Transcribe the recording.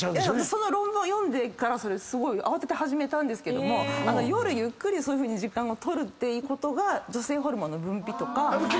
その論文を読んでからすごい慌てて始めたんですけども夜ゆっくりそういうふうに時間を取るっていうことが女性ホルモンの分泌とか。